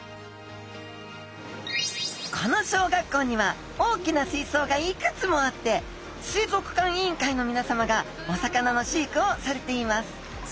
この小学校には大きな水槽がいくつもあって水族館委員会のみなさまがお魚の飼育をされています